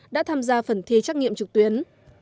đã tham gia phần thi trách nhiệm trực tuyến